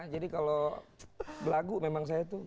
jadi kalau berlagu memang saya tuh